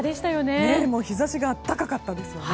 日差しが暖かかったですよね。